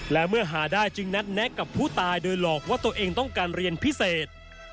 และเมื่อหาได้จึงนัดแนะกับผู้ตายโดยหลอกว่าตัวเองต้องการเรียนพิเศษ